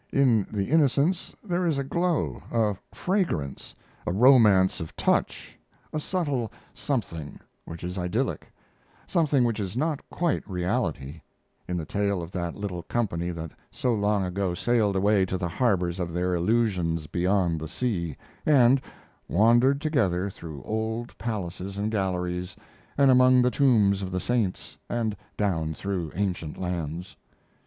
In the Innocents there is a glow, a fragrance, a romance of touch, a subtle something which is idyllic, something which is not quite of reality, in the tale of that little company that so long ago sailed away to the harbors of their illusions beyond the sea, and, wandered together through old palaces and galleries, and among the tombs of the saints, and down through ancient lands.